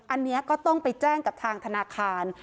อันนี้ก็ต้องไปแจ้งกับทางธนาคาร